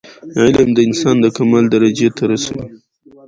علم انسان د کمال درجي ته رسوي.